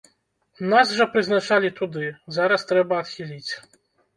Нас жа прызначалі туды, зараз трэба адхіліць.